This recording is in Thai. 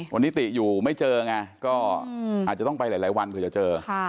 วันนี้ติอยู่ไม่เจอไงก็อาจจะต้องไปหลายวันเผื่อจะเจอ